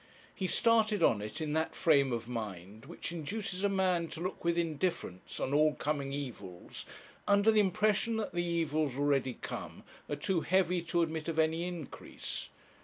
He started on it in that frame of mind which induces a man to look with indifference on all coming evils under the impression that the evils already come are too heavy to admit of any increase.